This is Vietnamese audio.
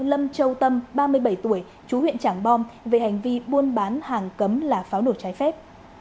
lâm châu tâm ba mươi bảy tuổi chú huyện trảng bom về hành vi buôn bán hàng cấm là pháo nổ trái phép